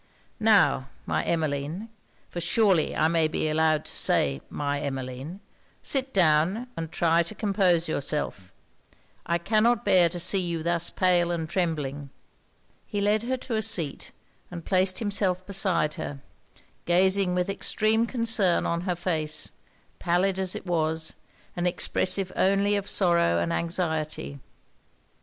Now, my Emmeline, for surely I may be allowed to say my Emmeline, sit down and try to compose yourself. I cannot bear to see you thus pale and trembling.' He led her to a seat, and placed himself by her; gazing with extreme concern on her face, pallid as it was, and expressive only of sorrow and anxiety.